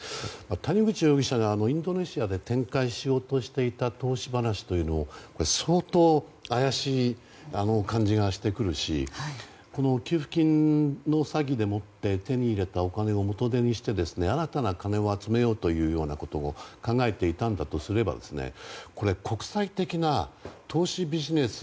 谷口容疑者がインドネシアで展開しようとしていた投資話というのも相当怪しい感じがしてくるしこの給付金の詐欺でもって手に入れたお金を元手にして新たな金を集めようというようなことも考えていたんだとすれば国際的な投資ビジネス